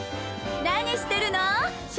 何してるの？笑